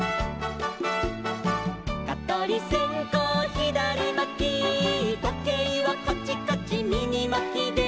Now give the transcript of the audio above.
「かとりせんこうひだりまき」「とけいはカチカチみぎまきで」